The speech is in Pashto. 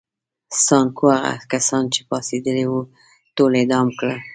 سانکو هغه کسان چې پاڅېدلي وو ټول اعدام کړل.